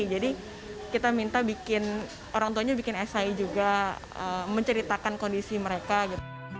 jadi kita minta bikin orang tuanya bikin si juga menceritakan kondisi mereka gitu